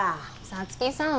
五月さん。